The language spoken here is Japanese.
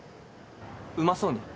うまそうに？